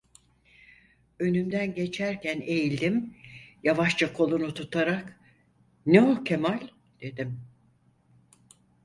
Önümden geçerken eğildim, yavaşça kolunu tutarak: "Ne o, Kemal?" dedim.